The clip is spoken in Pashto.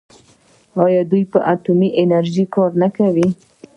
آیا دوی په اټومي انرژۍ کار نه کوي؟